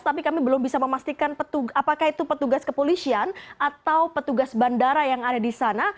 tapi kami belum bisa memastikan apakah itu petugas kepolisian atau petugas bandara yang ada di sana